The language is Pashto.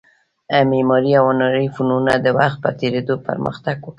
معماري او هنري فنونو د وخت په تېرېدو پرمختګ وکړ